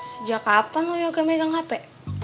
sejak kapan lo yuk yang megang hape